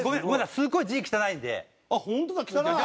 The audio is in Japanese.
すごい字汚いんで。